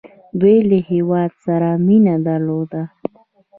دوی له هیواد سره مینه درلوده.